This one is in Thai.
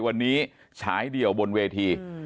วันนี้ฉายเดี่ยวบนเวที